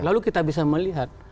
lalu kita bisa melihat